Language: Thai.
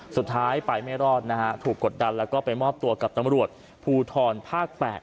สุดท้ายไปไม่รอดนะฮะถูกกดดันแล้วก็ไปมอบตัวกับตำรวจภูทรภาค๘